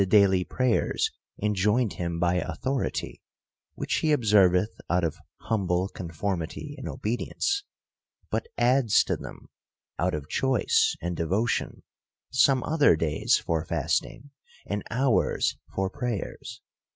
23 daily prayers enjoined him by authority, which he observeth out of humble conformity and obedience ; but adds to them, out of choice and devotion, some other days for fasting, and hours for prayers.